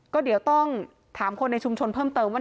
ก็เดี๋ยวต้องถามคนในชุมชนเพิ่มเติมว่า